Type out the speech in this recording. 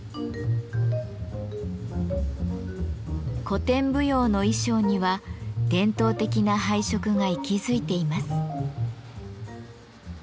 古典舞踊の衣装には伝統的な配色が息づいています。